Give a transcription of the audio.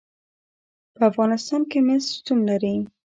په افغانستان کې مس شتون لري.